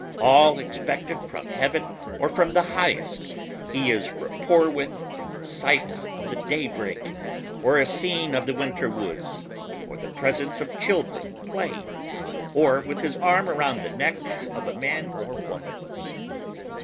All expected from heaven or from the highest he is rapport with in the sight of the daybreak or a scene of the winter woods or the presence of children playing or with his arm round the neck of a man or woman.